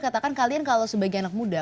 katakan kalian kalau sebagai anak muda